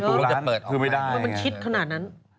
ทำไมล้านเป็นยังไง